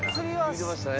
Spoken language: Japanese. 言うてましたね。